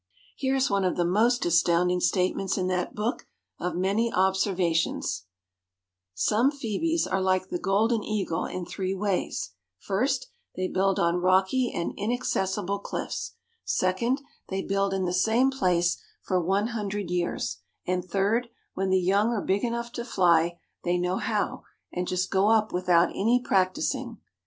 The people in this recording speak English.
Here is one of the most astounding statements in that book of many observations: "Some Phoebes are like the Golden Eagle in three ways—first, they build on rocky and inaccessible cliffs, second, they build in the same place for one hundred years; and, third, when the young are big enough to fly, they know how, and just go up without any practicing."